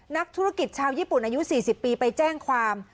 นักธุรกิจชาวญี่ปุ่นอายุ๔๐ปีไปแจ้งความ